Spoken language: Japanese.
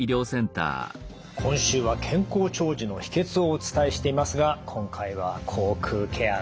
今週は「健康長寿の秘けつ」をお伝えしていますが今回は口腔ケア